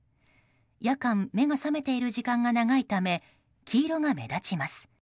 夜間、目が覚めている時間が長いため黄色が目立ちます。